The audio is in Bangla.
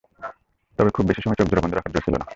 তবে খুব বেশি সময় চোখ জোড়া বন্ধ রাখার জো ছিল না।